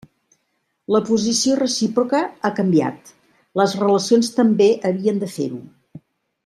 La posició recíproca ha canviat; les relacions també havien de fer-ho.